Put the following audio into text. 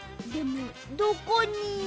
でもどこに。